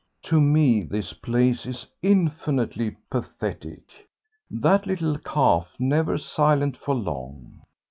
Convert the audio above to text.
"To me this place is infinitely pathetic. That little cough never silent for long.